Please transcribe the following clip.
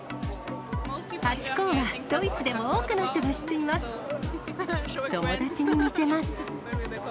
ハチ公はドイツでも多くの人友達に見せます。